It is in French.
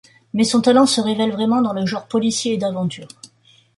Mais son talent se révèle vraiment dans le genre policier et d'aventure.